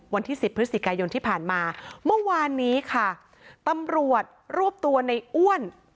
วันที่สิบพฤศจิกายนที่ผ่านมาเมื่อวานนี้ค่ะตำรวจรวบตัวในอ้วน